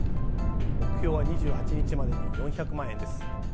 目標は２８日までに４００万円です。